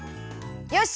よし！